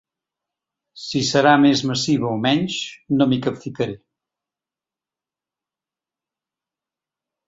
Si serà més massiva o menys, no m’hi capficaré.